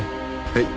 はい。